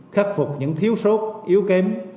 khắc phục những thiếu sốt yếu kém